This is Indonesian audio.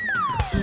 bukan si manis